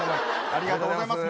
ありがとうございます。